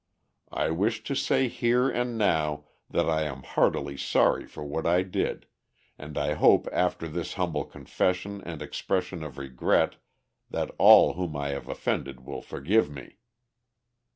I wish to say here and now that I am heartily sorry for what I did, and I hope after this humble confession and expression of regret that all whom I have offended will forgive me.